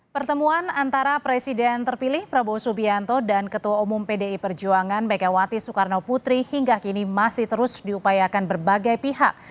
pertemuan antara presiden terpilih prabowo subianto dan ketua umum pdi perjuangan megawati soekarno putri hingga kini masih terus diupayakan berbagai pihak